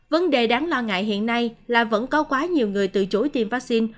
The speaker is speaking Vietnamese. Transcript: vấn đề đáng lo ngại hiện nay là vẫn có quá nhiều người từ chối tiêm vaccine